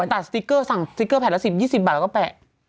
สติ๊กเกอร์สั่งสติ๊กเกอร์แผ่นละ๑๐๒๐บาทแล้วก็แปะ